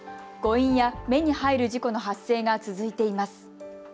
誤飲や目に入る事故の発生が続いています。